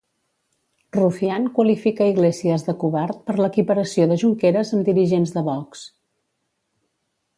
Rufián qualifica Iglesias de covard per l'equiparació de Junqueras amb dirigents de Vox.